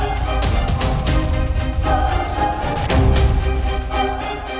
aku mati perbuah kemana